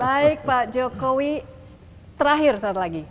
baik pak jokowi terakhir saat lagi